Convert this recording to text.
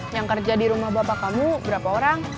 yang kerja di rumah bapak kamu berapa orang